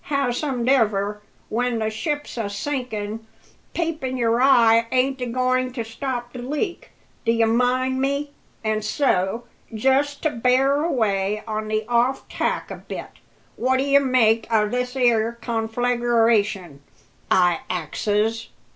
Howsomedever, when the ship's a sinkin', pipin' your eye ain't a goin' to stop the leak, d'ye mind me; an' so, just to bear away on the off tack a bit, what d'ye make o' this 'ere confleegration, I axes?"